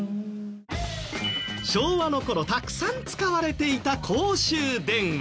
昭和の頃たくさん使われていた